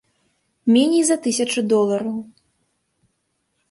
Меней за тысячу долараў.